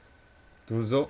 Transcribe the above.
どうぞ。